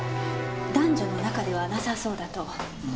男女の仲ではなさそうだと。